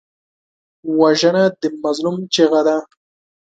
وژنه د مظلوم چیغه ده